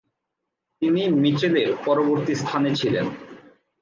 তিনি মিচেলের পরবর্তী স্থানে ছিলেন।